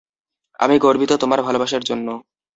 আমি গর্বিত তোমার ভালবাসার জন্য।